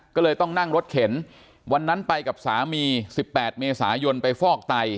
ก็เลยต้องนั่งรถเข็นวันนั้นไปกับสามี๑๘เมษายนไปฟอกไต